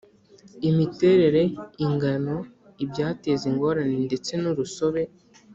imiterere ingano ibyateza ingorane ndetse nurusobe